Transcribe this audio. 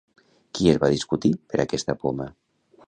Qui es va discutir per aquesta poma?